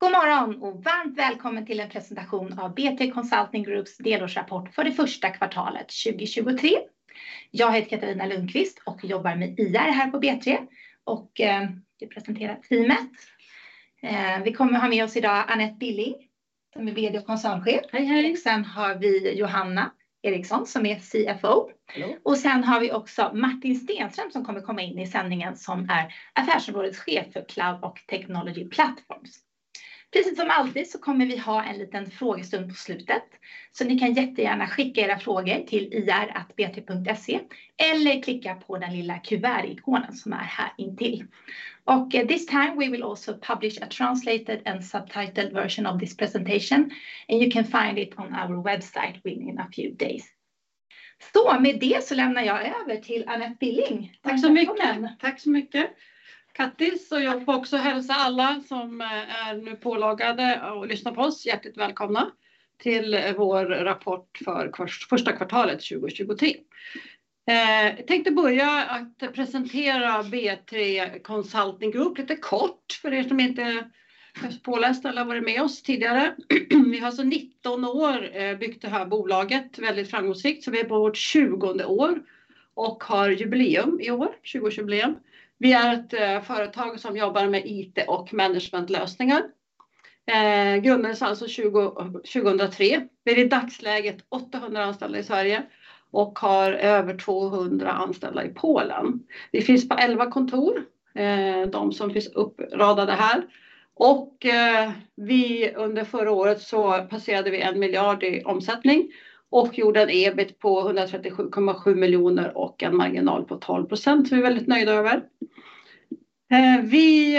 God morgon och varmt välkommen till en presentation av B3 Consulting Groups delårsrapport för det first quarter 2023. Jag heter Katarina Lundqvist och jobbar med IR här på B3 och ska presentera teamet. Vi kommer ha med oss i dag Anette Billing som är VD och Koncernchef. Hej, hej! Sen har vi Johanna Eriksson som är CFO. Hallå. Sen har vi också Martin Stenström som kommer komma in i sändningen som är affärsområdeschef för Cloud & Technology Platforms. Precis som alltid kommer vi ha en liten frågestund på slutet. Ni kan jättegärna skicka era frågor till ir@b3.se eller klicka på den lilla kuvertikonen som är här intill. This time we will also publish a translated and subtitled version of this presentation and you can find it on our website within a few days. Med det lämnar jag över till Anette Billing. Tack så mycket. Tack så mycket, Kattis, och jag får också hälsa alla som är nu påloggade och lyssnar på oss hjärtligt välkomna till vår rapport för första kvartalet 2023. Jag tänkte börja att presentera B3 Consulting Group lite kort för er som inte är pålästa eller varit med oss tidigare. Vi har alltså 19 år byggt det här bolaget väldigt framgångsrikt, så vi är på vårt 20th år och har jubileum i år, 20-jubileum. Vi är ett företag som jobbar med IT- och managementlösningar. Grundades alltså 2003. Vi är i dagsläget 800 anställda i Sverige och har över 200 anställda i Polen. Vi finns på 11 kontor, de som finns uppradade här. Vi under förra året så passerade vi 1 billion i omsättning och gjorde en EBIT på 137.7 million och en marginal på 12% som vi är väldigt nöjda över. Vi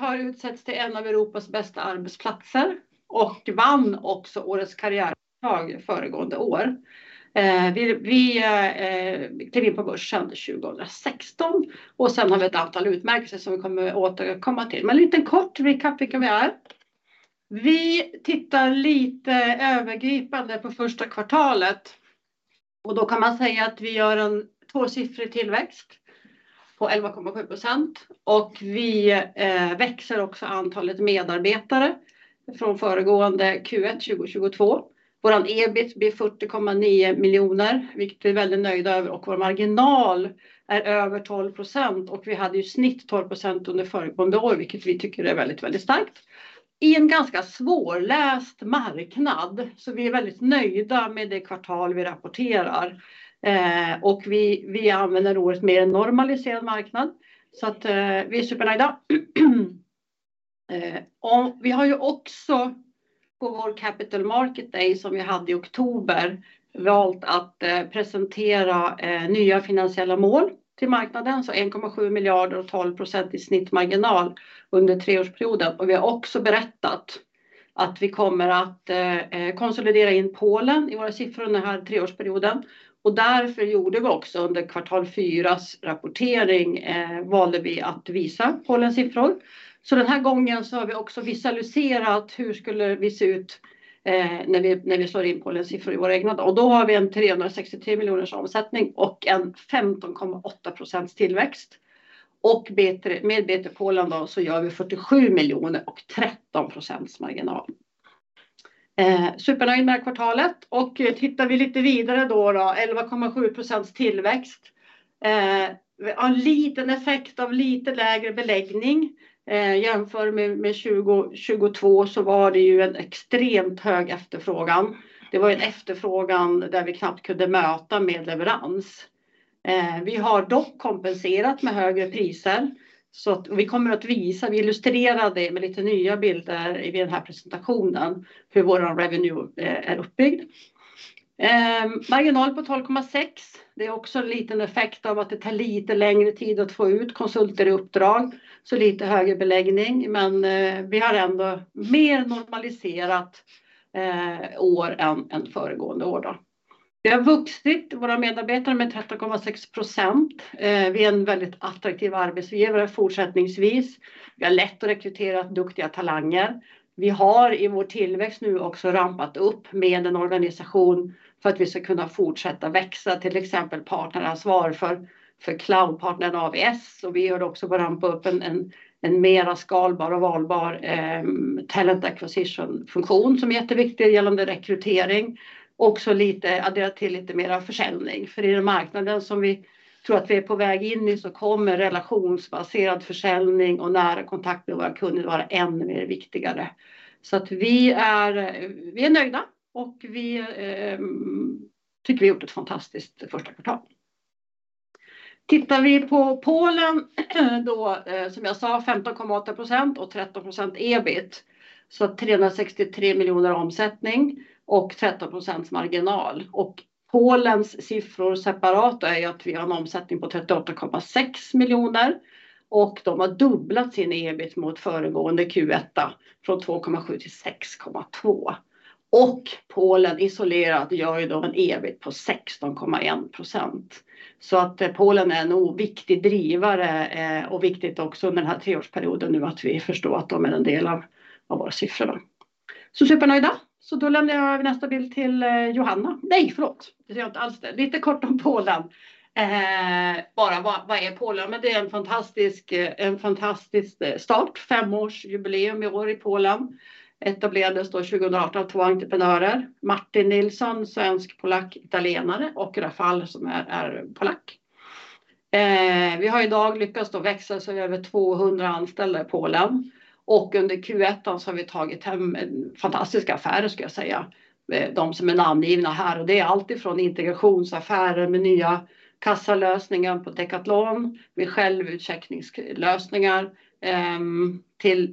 har utsetts till en av Europas bästa arbetsplatser och vann också Årets Karriärföretag föregående år. Vi steg in på börsen 2016 och sen har vi ett antal utmärkelser som vi kommer återkomma till. En liten kort recap vem vi är. Vi tittar lite övergripande på första kvartalet och då kan man säga att vi gör en tvåsiffrig tillväxt på 11.7% och vi växer också antalet medarbetare från föregående Q1 2022. Våran EBIT blir 49 million, vilket vi är väldigt nöjda över och vår marginal är över 12% och vi hade ju snitt 12% under föregående år, vilket vi tycker är väldigt starkt i en ganska svårläst marknad. Vi är väldigt nöjda med det kvartal vi rapporterar. Vi använder ordet mer en normaliserad marknad. Vi är supernöjda. Vi har ju också på vår Capital Markets Day som vi hade i oktober valt att presentera nya finansiella mål till marknaden. 1.7 billion och 12% i snittmarginal under treårsperioden. Vi har också berättat att vi kommer att konsolidera in Polen i våra siffror under den här treårsperioden. Därför gjorde vi också under Q4's rapportering valde vi att visa Polens siffror. Den här gången så har vi också visualiserat hur skulle vi se ut när vi slår in Polens siffror i våra egna. Då har vi en 363 million omsättning och en 15.8% tillväxt. Med B3 Polen då så gör vi 47 million och 13% marginal. Supernöjd med det här kvartalet och tittar vi lite vidare då då, 11.7% tillväxt. Vi har en liten effekt av lite lägre beläggning. Jämför med 2022 så var det ju en extremt hög efterfrågan. Det var en efterfrågan där vi knappt kunde möta med leverans. Vi har dock kompenserat med högre priser. Vi kommer att visa, vi illustrerar det med lite nya bilder i den här presentationen hur vår revenue är uppbyggd. Marginal på 12.6%. Det är också en liten effekt av att det tar lite längre tid att få ut konsulter i uppdrag, så lite högre beläggning. Vi har ändå mer normaliserat år än föregående år då. Vi har vuxit våra medarbetare med 13.6%. Vi är en väldigt attraktiv arbetsgivare fortsättningsvis. Vi har lätt att rekrytera duktiga talanger. Vi har i vår tillväxt nu också rampat upp med en organisation för att vi ska kunna fortsätta växa, till exempel partneransvar för cloudpartnern AWS. Vi har också börjat rampa upp en mera skalbar och valbar talent acquisition-funktion som är jätteviktig gällande rekrytering. Också addera till lite mera försäljning. I den marknaden som vi tror att vi är på väg in i så kommer relationsbaserad försäljning och nära kontakt med våra kunder vara ännu mer viktigare. Vi är, vi är nöjda och vi tycker vi har gjort ett fantastiskt första kvartal. Tittar vi på Polen då, som jag sa, 15.8% och 13% EBIT. 363 million omsättning och 13% marginal. Polen's siffror separata är att vi har en omsättning på 38.6 million och de har dubblat sin EBIT mot föregående Q1 från 2.7 till 6.2. Polen isolerat gör ju då en EBIT på 16.1%. Polen är en oviktig drivare, och viktigt också under den här 3-årsperioden nu att vi förstår att de är en del av våra siffror då. Supernöjda. Då lämnar jag över nästa bild till Johanna. Nej, förlåt, det gör jag inte alls det. Lite kort om Polen. Bara vad är Polen? Det är en fantastisk start. 5 års jubileum i år i Polen. Etablerades då 2018 av 2 entreprenörer. Martin Nilsson, svensk polack, italienare och Rafael som är polack. Vi har i dag lyckats då växa så vi är över 200 anställda i Polen och under Q1 så har vi tagit hem fantastiska affärer ska jag säga. De som är namngivna här och det är allt ifrån integrationsaffärer med nya kassalösningar på Decathlon, med självutcheckningslösningar,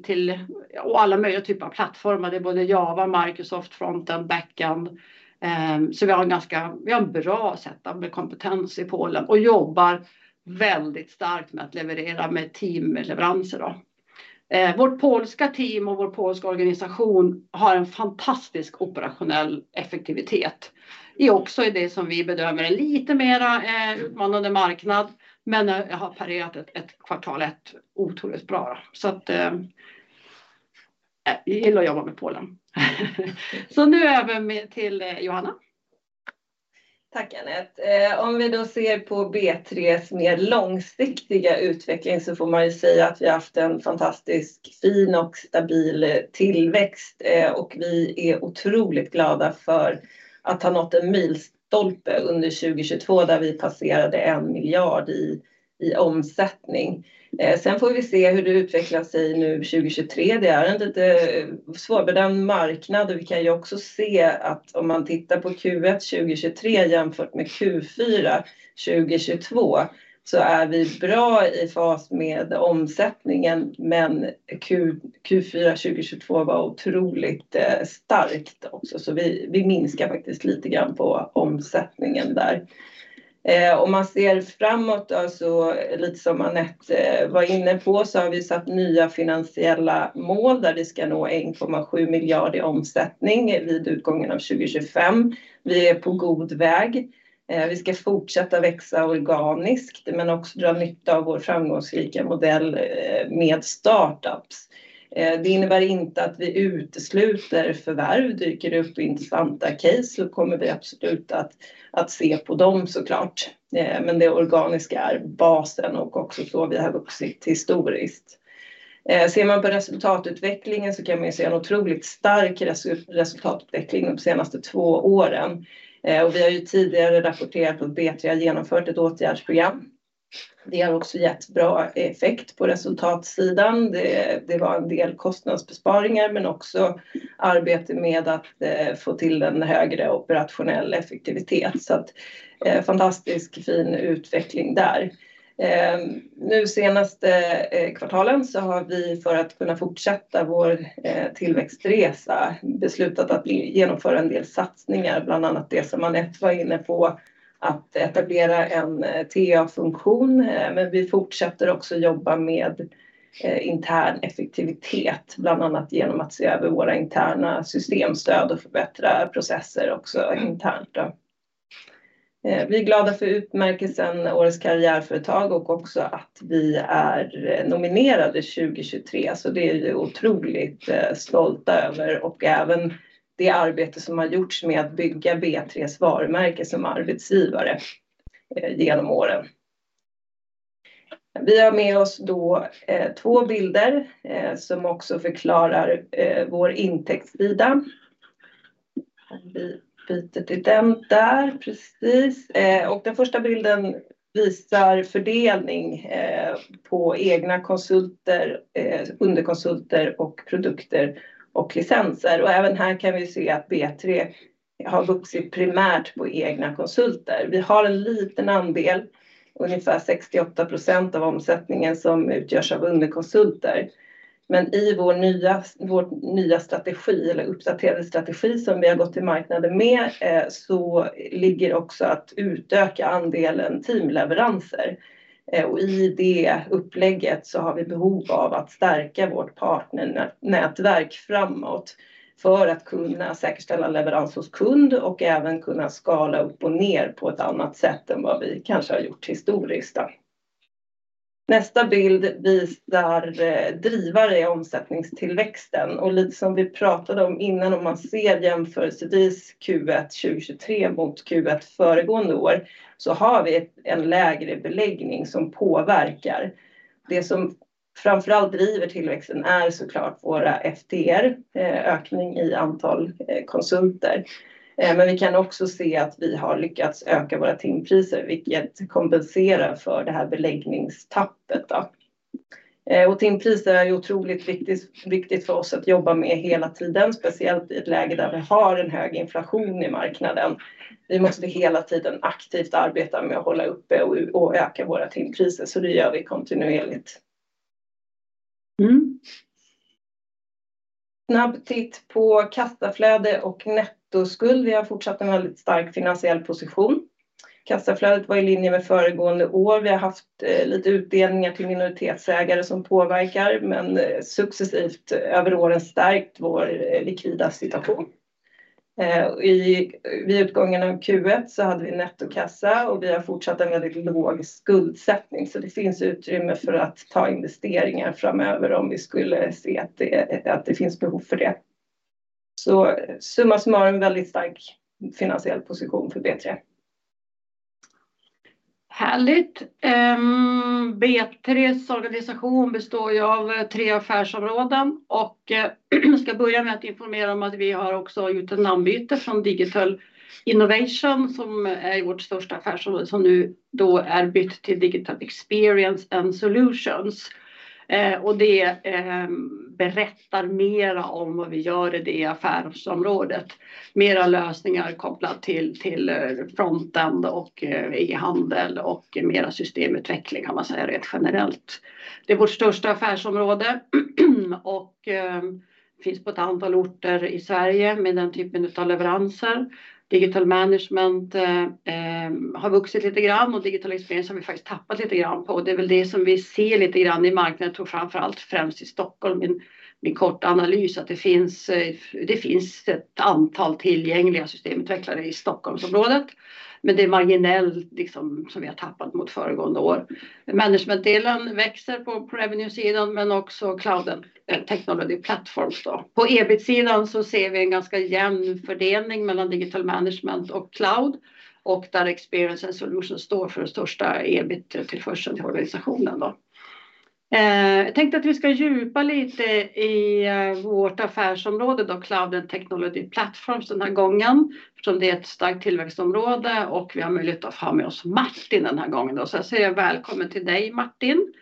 till och alla möjliga typer av plattformar. Det är både Java, Microsoft, frontend, backend. Vi har en ganska, vi har en bra sätt med kompetens i Polen och jobbar väldigt starkt med att leverera med teamleveranser då. Vårt polska team och vår polska organisation har en fantastisk operationell effektivitet. Är också i det som vi bedömer en lite mera utmanande marknad, men har parerat ett Q1 otroligt bra. Jag gillar att jobba med Polen. Nu över med, till Johanna. Tack Anette. Om vi då ser på B3:s mer långsiktiga utveckling så får man ju säga att vi har haft en fantastisk fin och stabil tillväxt och vi är otroligt glada för att ha nått en milstolpe under 2022 där vi passerade 1 billion i omsättning. Får vi se hur det utvecklar sig nu 2023. Det är en lite svårbedömd marknad. Vi kan ju också se att om man tittar på Q1 2023 jämfört med Q4 2022 så är vi bra i fas med omsättningen. Q4 2022 var otroligt starkt också. Vi minskar faktiskt lite grann på omsättningen där. Om man ser framåt, alltså lite som Anette var inne på, så har vi satt nya finansiella mål där vi ska nå 1.7 billion i omsättning vid utgången av 2025. Vi är på god väg. Vi ska fortsätta växa organiskt, men också dra nytta av vår framgångsrika modell med startups. Det innebär inte att vi utesluter förvärv. Dyker det upp intressanta case så kommer vi absolut att se på dem så klart. Men det organiska är basen och också så vi har vuxit historiskt. Ser man på resultatutvecklingen så kan man ju se en otroligt stark resultatutveckling de senaste två åren. Och vi har ju tidigare rapporterat att B3 har genomfört ett åtgärdsprogram. Det har också gett bra effekt på resultatsidan. Det var en del kostnadsbesparingar, men också arbete med att få till den högre operationell effektivitet. Så att fantastisk fin utveckling där. Nu senaste kvartalen så har vi för att kunna fortsätta vår tillväxtresa beslutat att genomföra en del satsningar, bland annat det som Anette var inne på, att etablera en TA-funktion. Vi fortsätter också jobba med intern effektivitet, bland annat genom att se över våra interna systemstöd och förbättra processer också internt då. Vi är glada för utmärkelsen Årets Karriärföretag och också att vi är nominerade 2023. Det är vi otroligt stolta över och även det arbete som har gjorts med att bygga B3:s varumärke som arbetsgivare igenom åren. Vi har med oss då två bilder som också förklarar vår intäktssida. Vi byter till den där, precis. Den första bilden visar fördelning på egna konsulter, underkonsulter och produkter och licenser. Även här kan vi se att B3 har vuxit primärt på egna konsulter. Vi har en liten andel, ungefär 68% av omsättningen som utgörs av underkonsulter. I vår nya strategi eller uppdaterade strategi som vi har gått till marknaden med, ligger också att utöka andelen teamleveranser. I det upplägget så har vi behov av att stärka vårt partnernätverk framåt för att kunna säkerställa leverans hos kund och även kunna skala upp och ner på ett annat sätt än vad vi kanske har gjort historiskt då. Nästa bild visar drivare i omsättningstillväxten. Lite som vi pratade om innan, om man ser jämförelsevis Q1 2023 mot Q1 föregående år, så har vi en lägre beläggning som påverkar. Det som framför allt driver tillväxten är så klart våra FTR, ökning i antal konsulter. Vi kan också se att vi har lyckats öka våra timpriser, vilket kompenserar för det här beläggningstappet då. Timpriser är otroligt viktigt för oss att jobba med hela tiden, speciellt i ett läge där vi har en hög inflation i marknaden. Vi måste hela tiden aktivt arbeta med att hålla uppe och öka våra timpriser. Det gör vi kontinuerligt. Snabb titt på kassaflöde och nettoskuld. Vi har fortsatt en väldigt stark finansiell position. Kassaflödet var i linje med föregående år. Vi har haft lite utdelningar till minoritetsägare som påverkar, men successivt över åren stärkt vår likvida situation. Vid utgången av Q1 så hade vi nettokassa och vi har fortsatt en väldigt låg skuldsättning. Det finns utrymme för att ta investeringar framöver om vi skulle se att det finns behov för det. Summa summarum en väldigt stark finansiell position för B3. Härligt. B3's organization består ju av 3 affärsområden. Ska börja med att informera om att vi har också gjort ett namnbyte från Digital Innovation, som är vårt största affärsområde, som nu då är bytt till Digital Experience and Solutions. Det berättar mera om vad vi gör i det affärsområdet. Mera lösningar kopplat till frontend och i handel och mera systemutveckling kan man säga rent generellt. Det är vårt största affärsområde. Finns på ett antal orter i Sverige med den typen utav leveranser. Digital Management har vuxit lite grann. Digital Experience har vi faktiskt tappat lite grann på. Det är väl det som vi ser lite grann i marknaden tror jag framför allt främst i Stockholm i en kort analys att det finns ett antal tillgängliga systemutvecklare i Stockholmsområdet, men det är marginellt, liksom, som vi har tappat mot föregående år. Management-delen växer på revenuesidan men också Cloud & Technology Platforms då. På EBIT-sidan så ser vi en ganska jämn fördelning mellan Digital Management och Cloud och där Experience and Solutions står för den största EBIT tillförseln till organisationen då. Jag tänkte att vi ska djupa lite i vårt affärsområde då Cloud & Technology Platforms den här gången. Eftersom det är ett starkt tillväxtområde och vi har möjlighet att ha med oss Martin den här gången då. Jag säger välkommen till dig, Martin.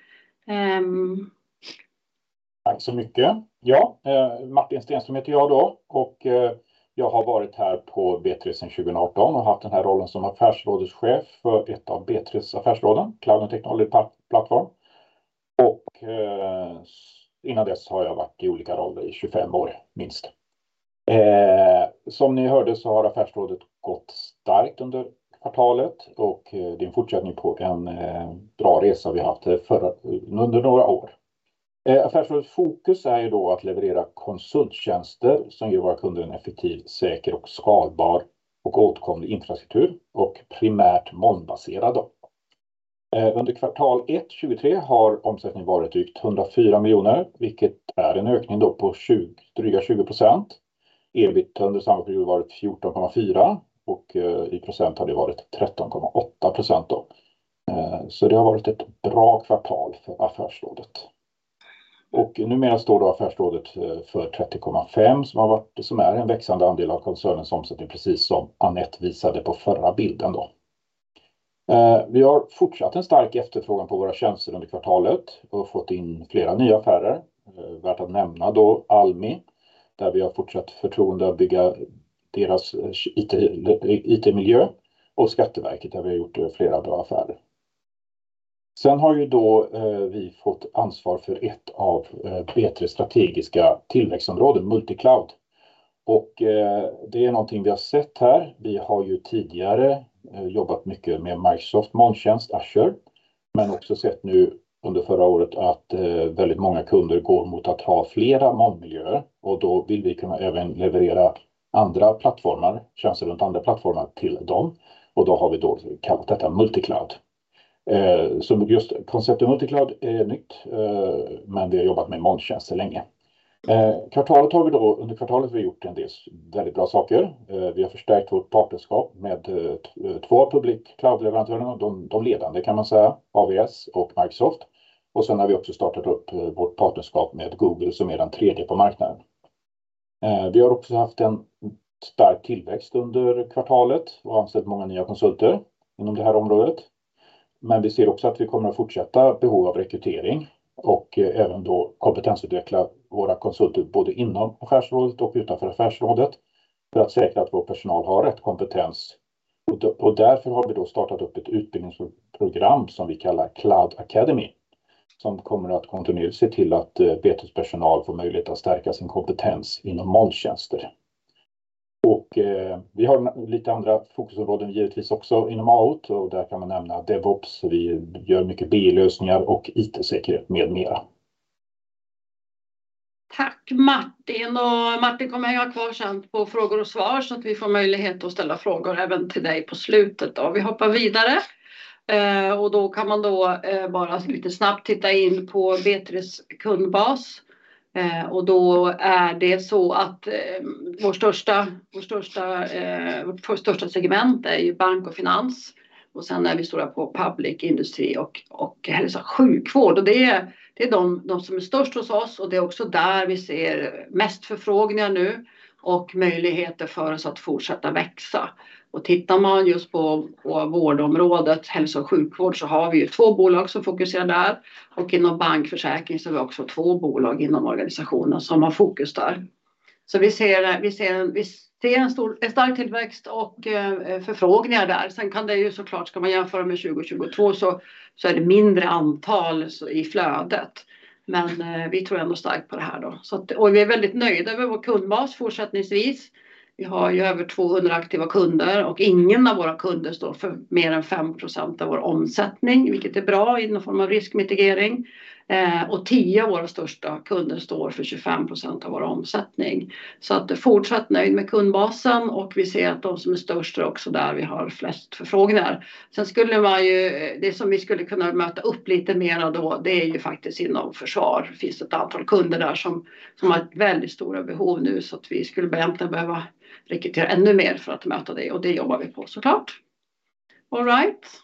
Tack så mycket. Ja, Martin Stenström heter jag då och jag har varit här på B3 sedan 2018 och haft den här rollen som affärsrådets chef för ett av B3:s affärsråden, Cloud & Technology Platforms. Innan dess har jag varit i olika roller i 25 år minst. Som ni hörde så har affärsrådet gått starkt under kvartalet och det är en fortsättning på en bra resa vi haft under några år. Affärsrådets fokus är ju då att leverera konsulttjänster som ger våra kunder en effektiv, säker och skalbar och återkommande infrastruktur och primärt molnbaserad då. Under Q1 2023 har omsättningen varit drygt 104 million, vilket är en ökning då på dryga 20%. EBIT under samma period har varit 14.4 och i procent har det varit 13.8% då. Så det har varit ett bra kvartal för affärsrådet. Numera står då affärsrådet för 30.5% som är en växande andel av koncernens omsättning, precis som Anette visade på förra bilden då. Vi har fortsatt en stark efterfrågan på våra tjänster under kvartalet och har fått in flera nya affärer. Värt att nämna då Almi, där vi har fortsatt förtroende att bygga deras IT-miljö och Skatteverket, där vi har gjort flera bra affärer. Har ju då vi fått ansvar för ett av B3:s strategiska tillväxtområden, multicloud. Det är någonting vi har sett här. Vi har ju tidigare jobbat mycket med Microsoft molntjänst Azure, men också sett nu under förra året att väldigt många kunder går mot att ha flera molnmiljöer och då vill vi kunna även leverera andra plattformar, tjänster runt andra plattformar till dem. Då har vi då kallat detta multicloud. Just konceptet multicloud är nytt, men vi har jobbat med molntjänster länge. Under kvartalet har vi gjort en del väldigt bra saker. Vi har förstärkt vårt partnerskap med två av public cloudleverantörerna, de ledande kan man säga, AWS och Microsoft. Sen har vi också startat upp vårt partnerskap med Google som är den tredje på marknaden. Vi har också haft en stark tillväxt under kvartalet och anställt många nya konsulter inom det här området. Vi ser också att vi kommer att fortsätta behov av rekrytering och även då kompetensutveckla våra konsulter både inom affärsrådet och utanför affärsrådet för att säkra att vår personal har rätt kompetens. Därför har vi då startat upp ett utbildningsprogram som vi kallar Cloud Academy, som kommer att kontinuerligt se till att B3:s personal får möjlighet att stärka sin kompetens inom molntjänster. Vi har lite andra fokusområden givetvis också inom Out och där kan man nämna DevOps. Vi gör mycket B-lösningar och IT-säkerhet med mera. Tack Martin. Martin kommer hänga kvar sen på frågor och svar så att vi får möjlighet att ställa frågor även till dig på slutet då. Vi hoppar vidare, och då kan man då bara lite snabbt titta in på B3's kundbas. Och då är det så att vårt största segment är ju bank och finans. Sen är vi stora på public, industri och hälsa och sjukvård. Det är de som är störst hos oss och det är också där vi ser mest förfrågningar nu och möjligheter för oss att fortsätta växa. Tittar man just på vårdområdet, hälsa och sjukvård, har vi 2 bolag som fokuserar där. Inom bank, försäkring har vi också 2 bolag inom organisationen som har fokus där. Vi ser en stor, stark tillväxt och förfrågningar där. Kan det så klart, ska man jämföra med 2022, är det mindre antal i flödet. Vi tror ändå starkt på det här. Vi är väldigt nöjda över vår kundbas fortsättningsvis. Vi har över 200 aktiva kunder och ingen av våra kunder står för mer än 5% av vår omsättning, vilket är bra i någon form av riskmitigering. 10 av våra största kunder står för 25% av vår omsättning. Fortsatt nöjd med kundbasen och vi ser att de som är störst är också där vi har flest förfrågningar. Skulle man ju, det som vi skulle kunna möta upp lite mer av då det är ju faktiskt inom försvar. Finns ett antal kunder där som har väldigt stora behov nu. Vi skulle egentligen behöva rekrytera ännu mer för att möta det och det jobbar vi på så klart. All right.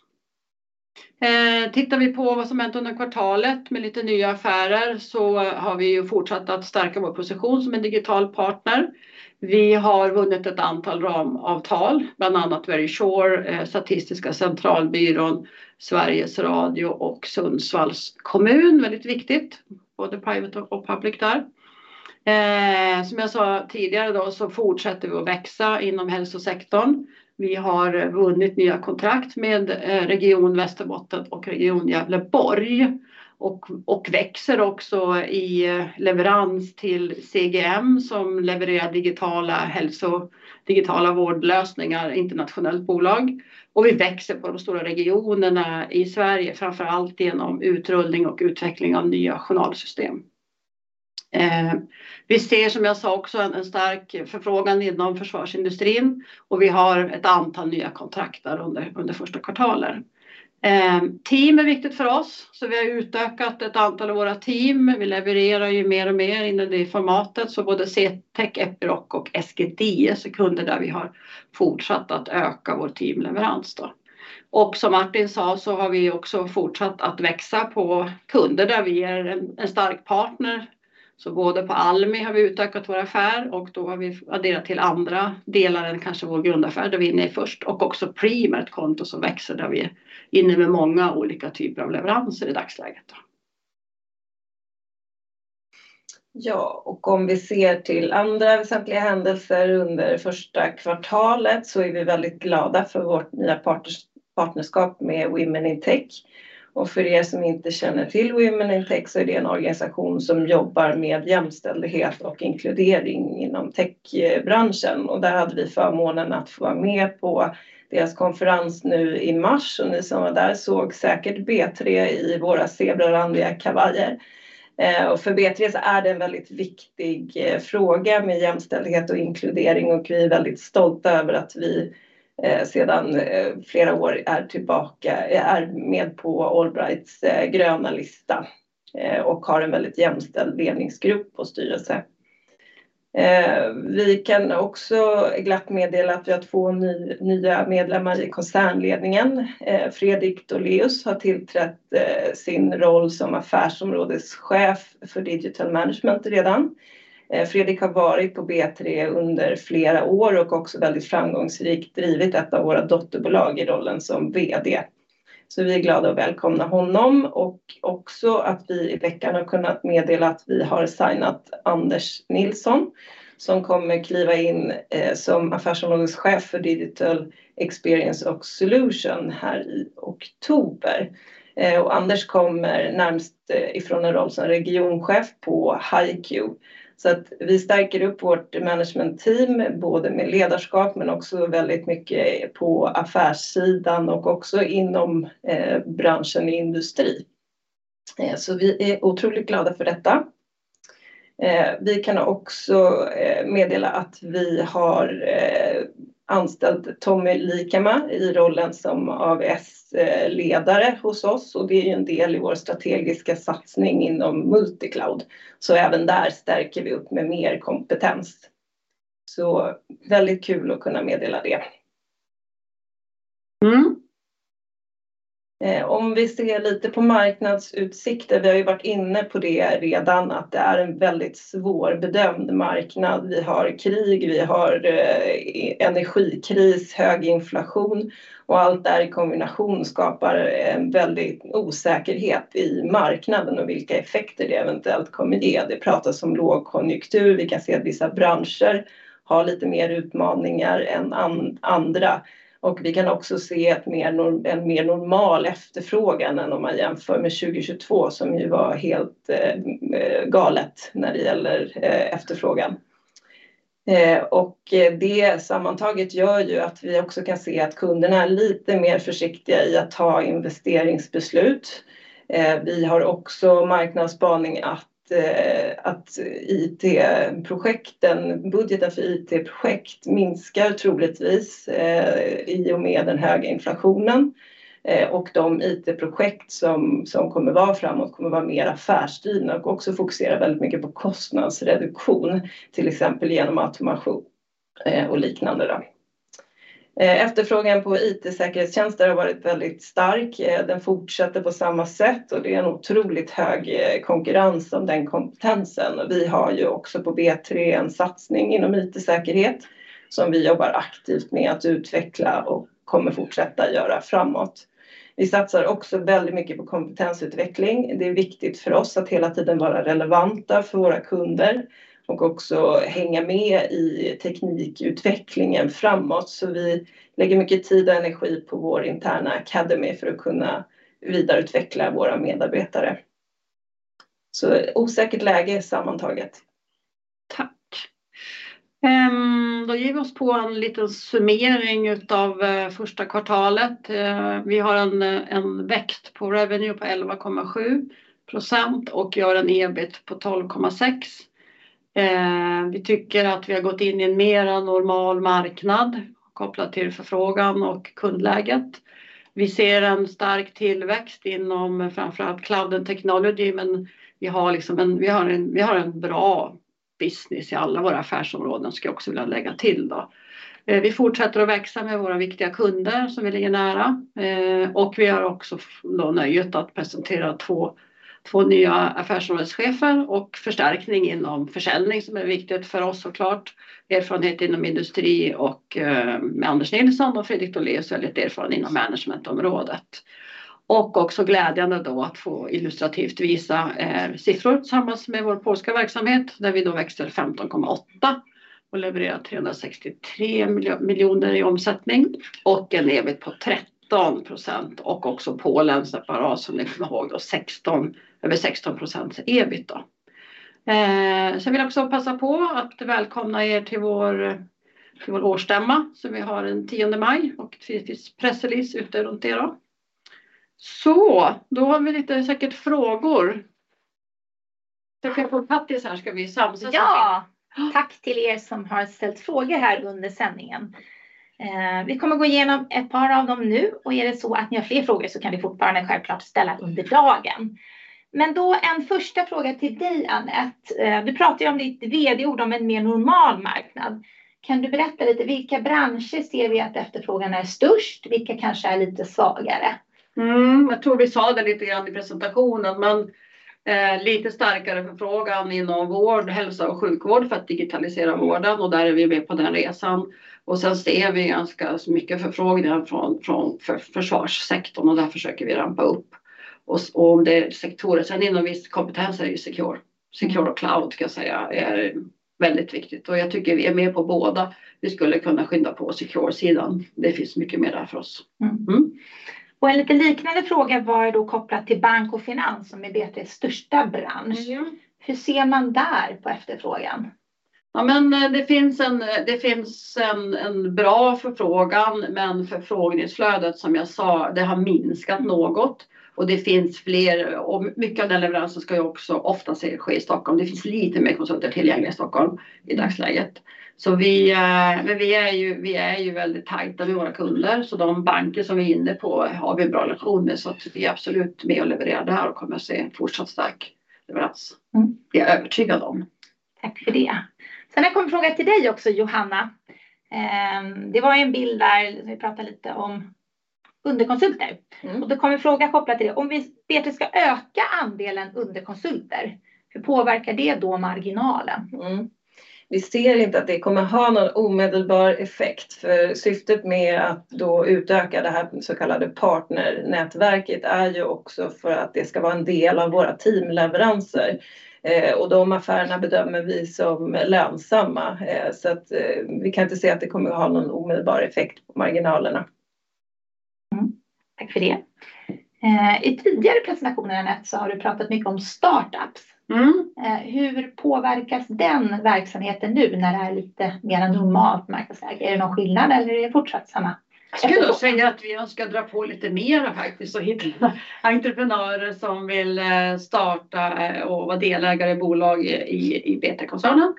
Tittar vi på vad som hände under kvartalet med lite nya affärer har vi ju fortsatt att stärka vår position som en digital partner. Vi har vunnit ett antal ramavtal, bland annat Verisure, Statistiska centralbyrån, Sveriges Radio och Sundsvalls kommun. Väldigt viktigt, både private och public där. Som jag sa tidigare då fortsätter vi att växa inom hälsosektorn. Vi har vunnit nya kontrakt med Region Västerbotten och Region Gävleborg och växer också i leverans till CGM som levererar digitala vårdlösningar, internationellt bolag. Vi växer på de stora regionerna i Sverige, framför allt genom utrullning och utveckling av nya journalsystem. Vi ser, som jag sa, också en stark förfrågan inom försvarsindustrin och vi har ett antal nya kontrakt där under första kvartalet. Team är viktigt för oss, så vi har utökat ett antal av våra team. Vi levererar ju mer och mer inom det formatet. Både Ctech, Epiroc och SGDI är kunder där vi har fortsatt att öka vår teamleverans då. Som Martin sa så har vi också fortsatt att växa på kunder där vi är en stark partner. Både på Almi har vi utökat vår affär och då har vi adderat till andra delar än kanske vår grundaffär där vi är inne i först och också Premier, ett konto som växer där vi är inne med många olika typer av leveranser i dagsläget. Om vi ser till andra väsentliga händelser under första kvartalet så är vi väldigt glada för vårt nya partnerskap med Women In Tech. För er som inte känner till Women In Tech så är det en organisation som jobbar med jämställdhet och inkludering inom techbranschen. Där hade vi förmånen att få vara med på deras konferens nu i mars. Ni som var där såg säkert B3 i våra zebrarandiga kavajer. För B3 så är det en väldigt viktig fråga med jämställdhet och inkludering. Vi är väldigt stolta över att vi sedan flera år är tillbaka, är med på AllBrights gröna lista och har en väldigt jämställd ledningsgrupp och styrelse. Vi kan också glatt meddela att vi har 2 nya medlemmar i koncernledningen. Fredrik Dolléus har tillträtt sin roll som affärsområdeschef för Digital Management redan. Fredrik har varit på B3 under flera år och också väldigt framgångsrikt drivit ett av våra dotterbolag i rollen som vd. Vi är glada att välkomna honom och också att vi i veckan har kunnat meddela att vi har signat Anders Nilsson, som kommer kliva in som affärsområdeschef för Digital Experience and Solutions här i oktober. Anders kommer närmst ifrån en roll som regionchef på HiQ. Vi stärker upp vårt management team både med ledarskap men också väldigt mycket på affärssidan och också inom branschen i industri. Vi är otroligt glada för detta. Vi kan också meddela att vi har anställt Tommy Liikamaa i rollen som AWS-ledare hos oss och det är ju en del i vår strategiska satsning inom multicloud. Även där stärker vi upp med mer kompetens. Väldigt kul att kunna meddela det. Mm. Om vi ser lite på marknadsutsikter, vi har ju varit inne på det redan att det är en väldigt svårbedömd marknad. Vi har krig, vi har energikris, hög inflation och allt det här i kombination skapar en väldig osäkerhet i marknaden och vilka effekter det eventuellt kommer ge. Det pratas om lågkonjunktur. Vi kan se att vissa branscher har lite mer utmaningar än andra och vi kan också se en mer normal efterfrågan än om man jämför med 2022 som ju var helt galet när det gäller efterfrågan. Och det sammantaget gör ju att vi också kan se att kunderna är lite mer försiktiga i att ta investeringsbeslut. Vi har också marknadsspaning att IT-projekten, budgeten för IT-projekt minskar troligtvis i och med den höga inflationen. De IT-projekt som kommer vara framåt kommer att vara mer affärsdrivna och också fokusera väldigt mycket på kostnadsreduktion, till exempel igenom automation och liknande då. Efterfrågan på IT-säkerhetstjänster har varit väldigt stark. Den fortsätter på samma sätt och det är en otroligt hög konkurrens om den kompetensen. Vi har ju också på B3 en satsning inom IT-säkerhet som vi jobbar aktivt med att utveckla och kommer fortsätta göra framåt. Vi satsar också väldigt mycket på kompetensutveckling. Det är viktigt för oss att hela tiden vara relevanta för våra kunder och också hänga med i teknikutvecklingen framåt. Vi lägger mycket tid och energi på vår interna academy för att kunna vidareutveckla våra medarbetare. Osäkert läge sammantaget. Då ger vi oss på en liten summering ut av första kvartalet. Vi har en växt på revenue på 11.7% och gör en EBIT på 12.6%. Vi tycker att vi har gått in i en mera normal marknad kopplat till förfrågan och kundläget. Vi ser en stark tillväxt inom framför allt Cloud and Technology, men vi har liksom en bra business i alla våra affärsområden ska jag också vilja lägga till då. Vi fortsätter att växa med våra viktiga kunder som vi ligger nära. Och vi har också då nöjet att presentera 2 nya affärsområdeschefer och förstärkning inom försäljning som är viktigt för oss så klart. Erfarenhet inom industri och med Anders Nilsson och Fredrik Dolléus väldigt erfaren inom managementområdet. Också glädjande då att få illustrativt visa siffror tillsammans med vår polska verksamhet där vi då växlar 15.8% och levererar 363 miljoner i omsättning och en EBIT på 13% och också B3 Polen separat som ni kommer ihåg då över 16% EBIT då. Vill jag också passa på att välkomna er till vår årsstämma som vi har the 10th of May och det finns pressrelease ute runt det då. Har vi lite säkert frågor. Jag får fattas här ska vi samlas. Ja, tack till er som har ställt frågor här under sändningen. Vi kommer gå igenom ett par av dem nu och är det så att ni har fler frågor så kan ni fortfarande självklart ställa under dagen. En första fråga till dig, Anette. Du pratar ju om ditt vd-ord om en mer normal marknad. Kan du berätta lite vilka branscher ser vi att efterfrågan är störst? Vilka kanske är lite svagare? Jag tror vi sa det lite grann i presentationen, men lite starkare förfrågan inom vård, hälsa och sjukvård för att digitalisera vården och där är vi med på den resan. Sen ser vi ganska så mycket förfrågan från försvarssektorn och där försöker vi rampa upp. Om det är sektorer, sen inom viss kompetens är ju secure. Secure och cloud ska jag säga är väldigt viktigt och jag tycker vi är med på båda. Vi skulle kunna skynda på secure-sidan. Det finns mycket mer där för oss. En lite liknande fråga var då kopplat till bank och finans som är B3s största bransch. Ja. Hur ser man där på efterfrågan? Det finns en bra förfrågan, men förfrågningsflödet som jag sa, det har minskat något och det finns fler. Mycket av den leveransen ska ju också oftast ske i Stockholm. Det finns lite mer konsulter tillgängliga i Stockholm i dagsläget. Vi är väldigt tajta med våra kunder, så de banker som vi är inne på har vi en bra relation med, så att vi är absolut med och levererar det här och kommer att se fortsatt stark leverans. Det är jag övertygad om. Tack för det. Har jag en fråga till dig också, Johanna. Det var en bild där vi pratade lite om underkonsulter. Då kom en fråga kopplat till det. Om vi bete ska öka andelen underkonsulter, hur påverkar det då marginalen? Vi ser inte att det kommer ha någon omedelbar effekt för syftet med att då utöka det här så kallade partnernätverket är ju också för att det ska vara en del av våra teamleveranser. De affärerna bedömer vi som lönsamma. Vi kan inte se att det kommer att ha någon omedelbar effekt på marginalerna. Tack för det. I tidigare presentationerna Anette så har du pratat mycket om startups. Mm. Hur påverkas den verksamheten nu när det är lite mer normalt marknadsläge? Är det någon skillnad eller är det fortsatt samma efterfrågan? Jag skulle då säga att vi önskar dra på lite mer faktiskt och hitta entreprenörer som vill starta och vara delägare i bolag i B3-koncernen.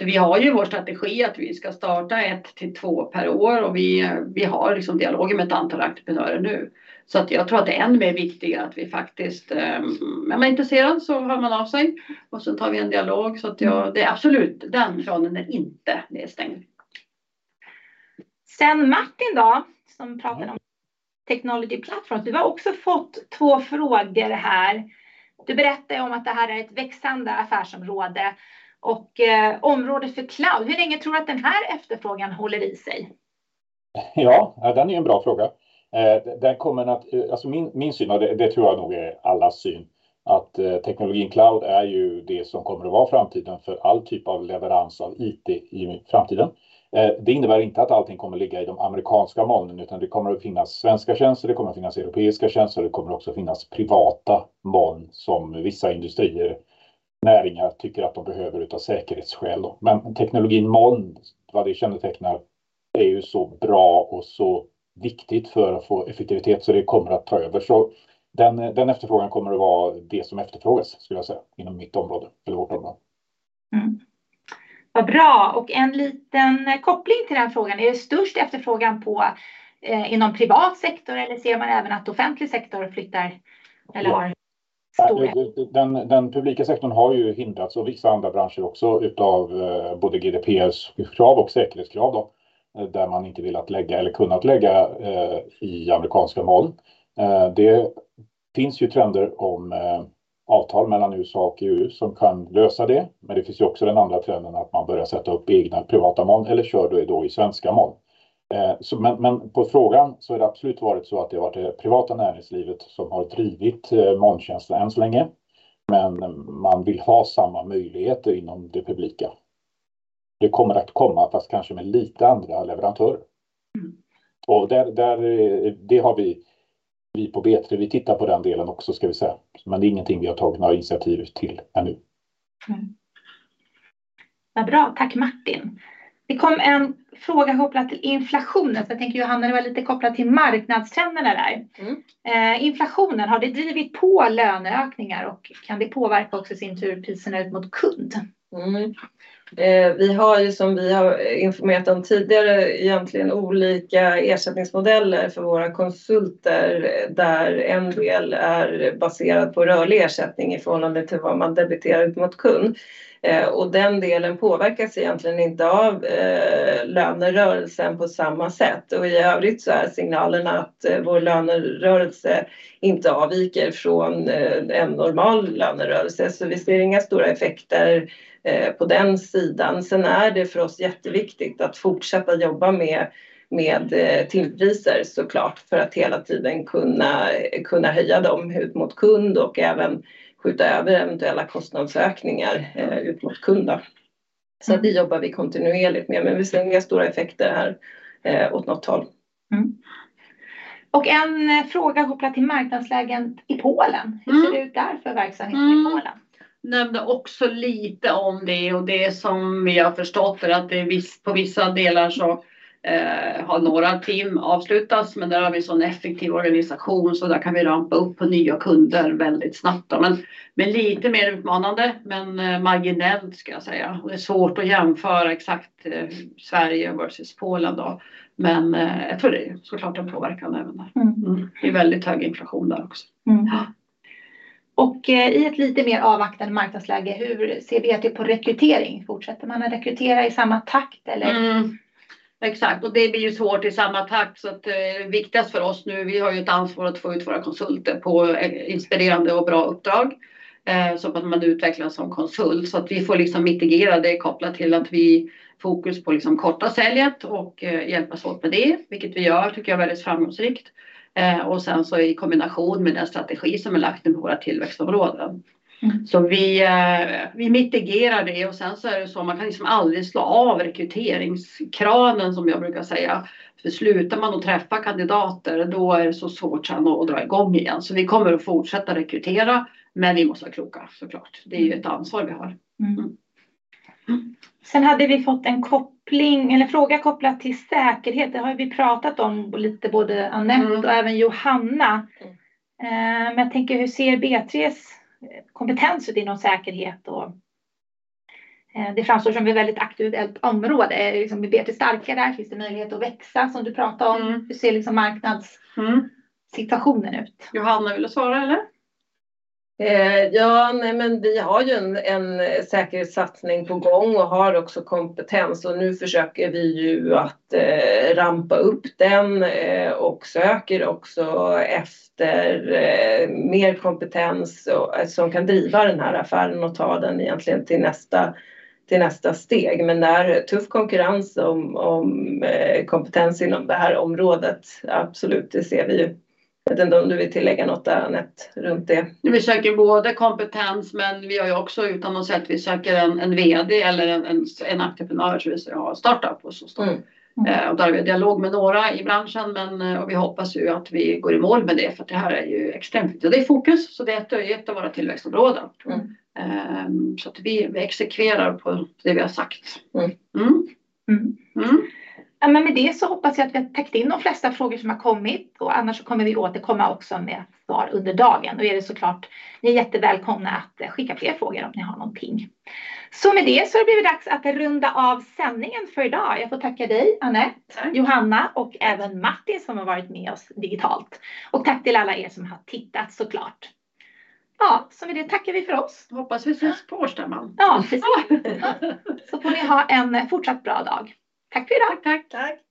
Vi har ju vår strategi att vi ska starta 1-2 per år och vi har liksom dialog med ett antal entreprenörer nu. Jag tror att det är ännu mer viktigt att vi faktiskt, är man intresserad så hör man av sig och sen tar vi en dialog. Jag, det är absolut, den kranen är inte nedstängd. Martin då som pratar om Technology Platform. Du har också fått 2 frågor här. Du berättar ju om att det här är ett växande affärsområde och område för cloud. Hur länge tror du att den här efterfrågan håller i sig? Den är ju en bra fråga. Den kommer att, alltså min syn och det tror jag nog är allas syn, att teknologin cloud är ju det som kommer att vara framtiden för all typ av leverans av IT i framtiden. Det innebär inte att allting kommer att ligga i de amerikanska molnen, utan det kommer att finnas svenska tjänster, det kommer att finnas europeiska tjänster, det kommer också att finnas privata moln som vissa industrier, näringar tycker att de behöver utav säkerhetsskäl. Teknologin moln, vad det kännetecknar, är ju så bra och så viktigt för att få effektivitet så det kommer att ta över. Den efterfrågan kommer att vara det som efterfrågas skulle jag säga inom mitt område eller vårt område. Vad bra. En liten koppling till den frågan: Är det störst efterfrågan på inom privat sektor eller ser man även att offentlig sektor flyttar eller har stor efterfrågan? Den publika sektorn har ju hindrats och vissa andra branscher också utav både GDPR:s krav och säkerhetskrav då, där man inte vill att lägga eller kunnat lägga i amerikanska moln. Det finns ju trender om avtal mellan USA och EU som kan lösa det, men det finns ju också den andra trenden att man börjar sätta upp egna privata moln eller kör då i då i svenska moln. På frågan så är det absolut varit så att det har varit det privata näringslivet som har drivit molntjänster än så länge. Man vill ha samma möjligheter inom det publika. Det kommer att komma fast kanske med lite andra leverantörer. Där, det har vi på B3, vi tittar på den delen också ska vi säga, men det är ingenting vi har tagit några initiativ till ännu. Vad bra. Tack Martin. Det kom en fråga kopplat till inflationen. Jag tänker Johanna, det var lite kopplat till marknadstrenderna där. Inflationen, har det drivit på löneökningar och kan det påverka också i sin tur priserna ut mot kund? Vi har ju som vi har informerat om tidigare egentligen olika ersättningsmodeller för våra konsulter där en del är baserad på rörlig ersättning i förhållande till vad man debiterar ut mot kund. Den delen påverkas egentligen inte av lönerörelsen på samma sätt. I övrigt så är signalen att vår lönerörelse inte avviker från en normal lönerörelse. Vi ser inga stora effekter på den sidan. Är det för oss jätteviktigt att fortsätta jobba med tillpriser så klart, för att hela tiden kunna höja dem ut mot kund och även skjuta över eventuella kostnadsökningar ut mot kund då. Det jobbar vi kontinuerligt med, men vi ser inga stora effekter här åt något håll. En fråga kopplat till marknadsläget i Polen? Hur ser det ut där för verksamheten i Polen? Nämnde också lite om det och det som vi har förstått för att det på vissa delar så har några team avslutats, där har vi en sådan effektiv organisation så där kan vi rampa upp på nya kunder väldigt snabbt då. Lite mer utmanande, men marginellt ska jag säga. Det är svårt att jämföra exakt Sverige versus Polen då. Jag tror det är så klart en påverkan även där. Det är väldigt hög inflation där också. I ett lite mer avvaktande marknadsläge, hur ser vi att det på rekrytering? Fortsätter man att rekrytera i samma takt eller? Exakt. Det blir ju svårt i samma takt. Det är viktigast för oss nu, vi har ju ett ansvar att få ut våra konsulter på inspirerande och bra uppdrag, att man utvecklas som konsult. Vi får liksom mitigera det kopplat till att vi fokus på liksom korta säljet och hjälpas åt med det, vilket vi gör tycker jag väldigt framgångsrikt. I kombination med den strategi som är lagd i våra tillväxtområden. Vi, vi mitigerar det. Det är så, man kan liksom aldrig slå av rekryteringskranen som jag brukar säga. Slutar man att träffa kandidater, då är det så svårt sen att dra i gång igen. Vi kommer att fortsätta rekrytera, men vi måste vara kloka så klart. Det är ju ett ansvar vi har. Hade vi fått en koppling eller fråga kopplat till säkerhet. Det har vi pratat om lite, både Anette och även Johanna. Jag tänker hur ser B3's kompetens ut inom säkerhet. Det framstår som ett väldigt aktuellt område. Är liksom B3 starka där? Finns det möjlighet att växa som du pratar om? Hur ser liksom marknadssituationen ut? Johanna, vill du svara eller? Vi har ju en säkerhetssatsning på gång och har också kompetens. Nu försöker vi ju att rampa upp den och söker också efter mer kompetens som kan driva den här affären och ta den egentligen till nästa, till nästa steg. Det är tuff konkurrens om kompetens inom det här området. Absolut, det ser vi ju. Jag vet inte om du vill tillägga något Anette runt det? Vi söker både kompetens, men vi har ju också utannonserat att vi söker en VD eller en entreprenör så vi säger, ja, en start-up på så sätt. Där har vi dialog med några i branschen och vi hoppas ju att vi går i mål med det för det här är ju extremt viktigt. Det är fokus, så det är ett av våra tillväxtområden. Att vi exekverar på det vi har sagt. Ja, med det så hoppas jag att vi har täckt in de flesta frågor som har kommit. Annars så kommer vi återkomma också med svar under dagen. Är det så klart, ni är jättevälkomna att skicka fler frågor om ni har någonting. Med det så har det blivit dags att runda av sändningen för i dag. Jag får tacka dig, Anette- Tack. Johanna och även Martin som har varit med oss digitalt. Tack till alla er som har tittat så klart. Med det tackar vi för oss. Hoppas vi ses på årsstämman. Ja, precis. Får ni ha en fortsatt bra dag. Tack för i dag. Tack. Tack.